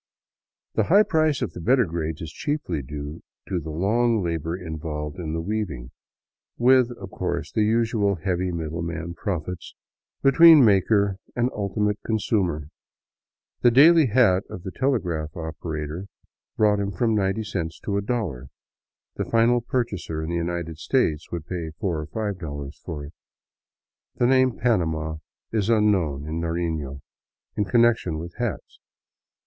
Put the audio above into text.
The high price of the better grades is chiefly due to the long labor in volved in the weaving, with, of course, the usual heavy middleman profits between maker and ultimate consumer. The daily hat of the telegraph operator brought him from ninety cents to a dollar; the final purchaser in the United States would pay $4 or $5 for it. The name " panama " is unknown in Narifio in connection with hats.